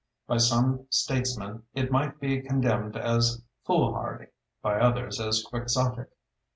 By some statesmen it might be condemned as foolhardy, by others as quixotic.